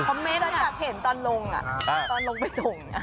ตอนแบบเห็นตอนลงตอนลงไปส่ง